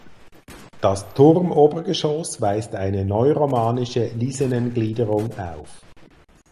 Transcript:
Das Turmobergeschoss weist eine neuromanische Lisenengliederung auf.